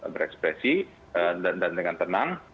berekspresi dan dengan tenang